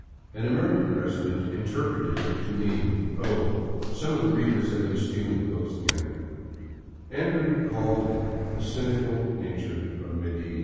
'* An American resident interpreted it to mean, " Oh, some of the readers have been stealing books again "— and we recalled the cynical native of Medellin.